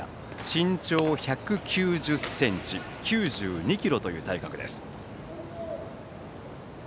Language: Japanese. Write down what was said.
身長１９０ｃｍ、９２ｋｇという体格です。